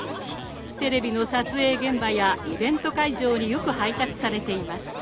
テレビの撮影現場やイベント会場によく配達されています。